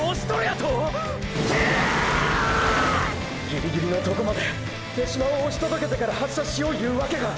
ギリギリのとこまで手嶋を押し届けてから発射しよういうわけか！